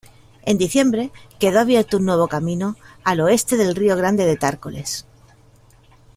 En diciembre quedó abierto un nuevo camino al oeste del río Grande de Tárcoles.